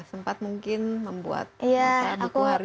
sempat mungkin membuat buku harian